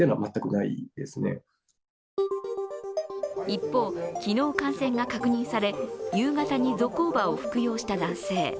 一方、昨日感染が確認され夕方にゾコーバを服用した男性。